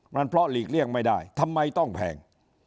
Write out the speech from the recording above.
มันเพราะหลีกเลี่ยงไม่ได้ทำไมต้องแพง